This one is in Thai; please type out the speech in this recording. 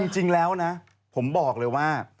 จริงแล้วนะผมบอกเลยว่า